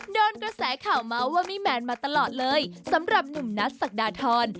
กระแสข่าวเมาส์ว่าไม่แมนมาตลอดเลยสำหรับหนุ่มนัทศักดาทร